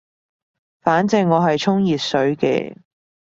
反正我係沖熱水嘅